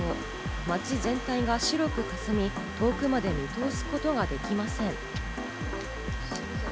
街全体が白くかすみ、遠くまで見通すことができません。